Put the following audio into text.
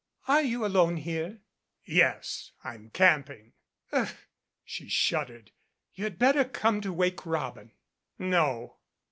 "Are you alone here?" "Yes. I'm camping." "Ugh," she shuddered. "You had better come to 'Wake Robin'." "No."